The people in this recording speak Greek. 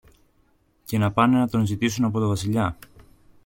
και να πάνε να τον ζητήσουν από το Βασιλιά.